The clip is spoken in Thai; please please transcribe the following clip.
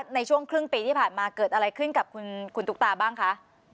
ในช่วงครึ่งปีที่ผ่านมาเกิดอะไรขึ้นกับคุณตุ๊กตาบ้างคะ